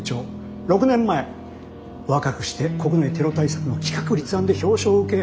６年前若くして国内テロ対策の企画立案で表彰を受け